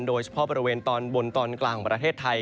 โดยเฉพาะบริเวณตอนบนตอนกลางของประเทศไทย